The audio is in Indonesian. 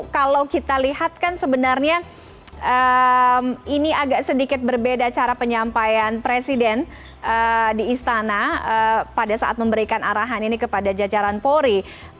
kalau kita lihat kan sebenarnya ini agak sedikit berbeda cara penyampaian presiden di istana pada saat memberikan arahan ini kepada jajaran polri